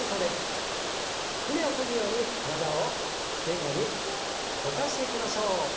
舟をこぐように体を前後に動かしていきましょう。